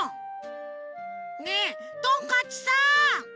ねえトンカチさん！